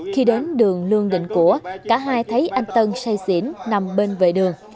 khi đến đường lương định của cả hai thấy anh tân say xỉn nằm bên vệ đường